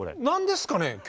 何ですかね？